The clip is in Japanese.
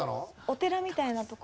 お寺みたいな所。